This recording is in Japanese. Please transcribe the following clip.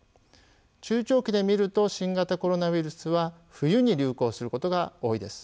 中長期で見ると新型コロナウイルスは冬に流行することが多いです。